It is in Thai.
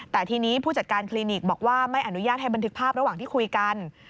แต่ทีนี้ผู้จัดการคลินิกบอกว่าไม่อนุญาตให้บันทึกภาพระหว่างที่คุยกัน